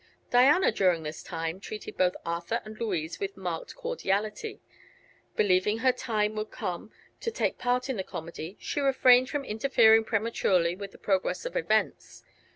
Diana, during this time, treated both Arthur and Louise with marked cordiality. Believing her time would come to take part in the comedy she refrained from interfering prematurely with the progress of events.